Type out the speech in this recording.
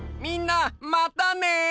みんなまたね！